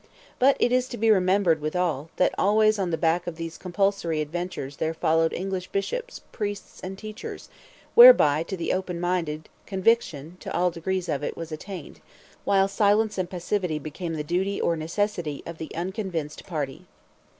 But it is to be remembered withal, that always on the back of these compulsory adventures there followed English bishops, priests and preachers; whereby to the open minded, conviction, to all degrees of it, was attainable, while silence and passivity became the duty or necessity of the unconvinced party.